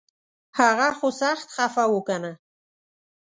هغه خو سخت خفه و کنه